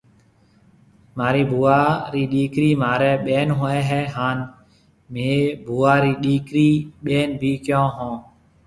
مهارِي ڀوُئا رِي ڏِيڪرِِي مهاريَ ٻين هوئيَ هيَ هانَ مهيَ ڀوُئا رِي ڏِيڪرِي ٻين ڀِي ڪيون هون۔